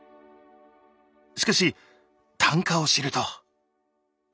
しかし単価を知ると。